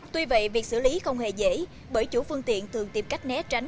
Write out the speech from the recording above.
tuy vậy việc xử lý không hề dễ bởi chủ phương tiện thường tìm cách né tránh